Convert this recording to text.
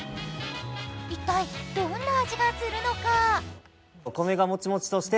一体どんな味がするのか。